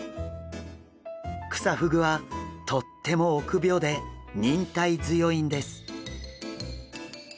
クサフグはとっても臆病で忍耐強いんです。